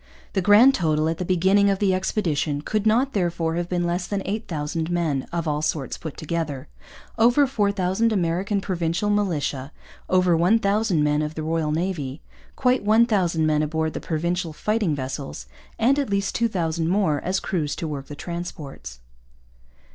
The grand total, at the beginning of the expedition, could not, therefore, have been less than 8,000 men, of all sorts put together over 4,000 American Provincial militia, over 1,000 men of the Royal Navy, quite 1,000 men aboard the Provincial fighting vessels, and at least 2,000 more as crews to work the transports.